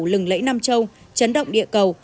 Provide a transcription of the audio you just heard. lừng lẫy nam châu chấn động địa cầu